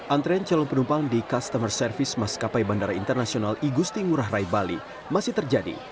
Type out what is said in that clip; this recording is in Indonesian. antrean calon penumpang di customer service maskapai bandara internasional igusti ngurah rai bali masih terjadi